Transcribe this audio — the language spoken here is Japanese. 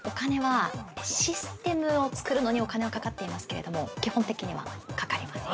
◆システムをつくるのにお金はかかっていますけれども基本的にはかかりません。